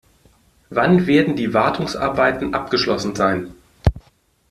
Wann werden die Wartungsarbeiten abgeschlossen sein?